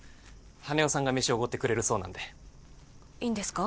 羽男さんが飯おごってくれるそうなんでいいんですか？